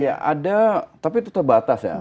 ya ada tapi itu terbatas ya